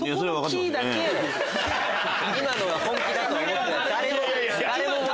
今のが本気だとは思ってない。